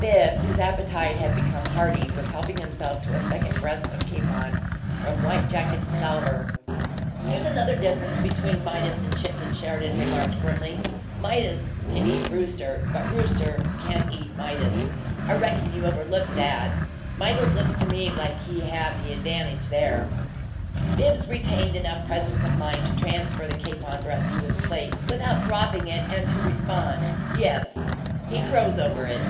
Bibbs, whose appetite had become hearty, was helping himself to a second breast of capon from white jacket's salver. "Here's another difference between Midas and chicken," Sheridan remarked, grimly. "Midas can eat rooster, but rooster can't eat Midas. I reckon you overlooked that. Midas looks to me like he had the advantage there." Bibbs retained enough presence of mind to transfer the capon breast to his plate without dropping it and to respond, "Yes he crows over it."